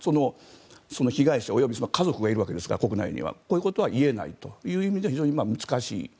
被害者、及び家族が国内にはいるわけですからこういうことは言えないという意味では非常に難しい。